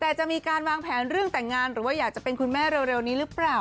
แต่จะมีการวางแผนเรื่องแต่งงานหรือว่าอยากจะเป็นคุณแม่เร็วนี้หรือเปล่า